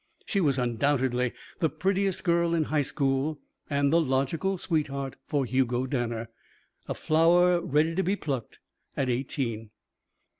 She was undoubtedly the prettiest girl in high school and the logical sweet heart for Hugo Danner. A flower ready to be plucked, at eighteen.